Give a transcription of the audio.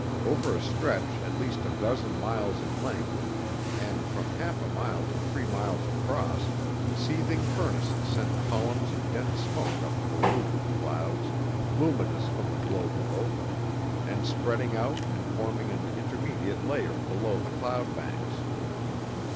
Over a stretch at least a dozen miles in length and from half a mile to three miles across, seething furnaces sent columns of dense smoke up to the roof of clouds, luminous from the glow below them, and spreading out and forming an intermediate layer below the cloudbanks.